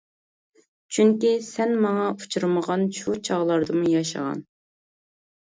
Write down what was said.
چۈنكى، سەن ماڭا ئۇچۇرمىغان شۇ چاغلاردىمۇ ياشىغان.